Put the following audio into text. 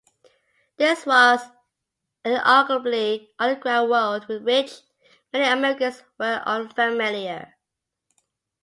This was an arguably underground world with which many Americans were unfamiliar.